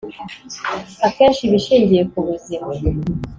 akenshi iba ishingiye ku buzima